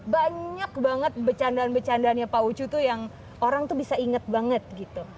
banyak banget bercandaan bercandaannya pak ucu tuh yang orang tuh bisa inget banget gitu